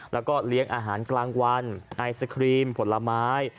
แล้วก็เลี้ยงอาหารกลางวันไอศครีมผลไม้